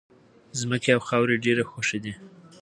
ځمکې او خاورې ډېرې خوښې دي.